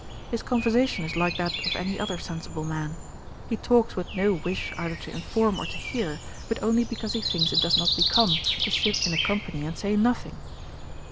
His conversation is like that of any other sensible man. He talks with no wish either to inform or to hear, but only because he thinks it does not become to sit in a company and say nothing.'